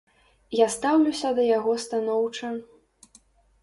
Я стаўлюся да яго станоўча.